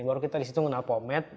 baru kita disitu mengenal pomed